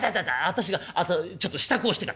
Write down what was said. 私がちょっと支度をしてから。